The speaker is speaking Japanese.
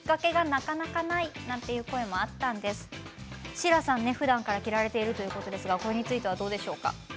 シーラさんふだんから着られているということですがこれについてはどうですか。